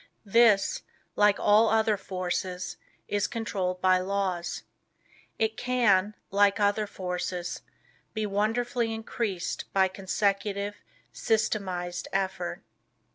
This, like all other forces, is controlled by laws. It can, like all other forces, be wonderfully increased by consecutive, systematized effort.